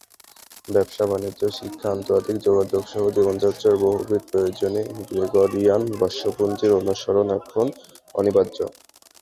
ব্যবসা-বাণিজ্য, শিক্ষা, আন্তর্জাতিক যোগাযোগসহ জীবনযাত্রার বহুবিধ প্রয়োজনে গ্রেগরিয়ান বর্ষপঞ্জির অনুসরণ এখন অনিবার্য।